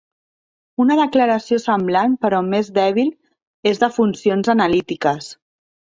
Una declaració semblant però més dèbil és de funcions analítiques.